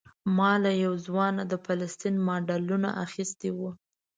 ما له یو ځوان نه د فلسطین ماډلونه اخیستي وو.